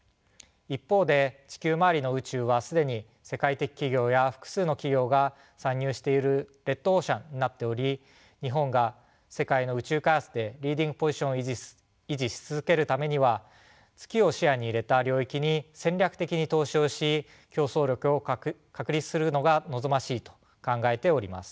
一方で地球周りの宇宙は既に世界的企業や複数の企業が参入しているレッドオーシャンになっており日本が世界の宇宙開発でリーディングポジションを維持し続けるためには月を視野に入れた領域に戦略的に投資をし競争力を確立するのが望ましいと考えております。